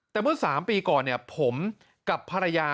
แต่เมื่อ๓ปีก่อนผมกับภรรยา